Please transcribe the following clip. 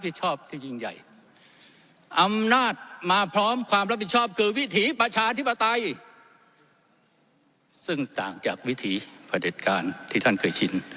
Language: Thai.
ประชาธิปไตยซึ่งต่างจากวิธีประเด็ดการที่ท่านเคยชิน